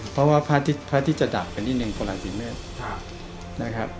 เพราะว่าพระอาทิตย์จะดับเป็นอีกนิดหนึ่งคนละสี่เมฆ